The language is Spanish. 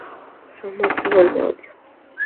Su amor se vuelve odio.